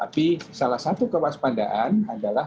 tapi salah satu kewaspadaan adalah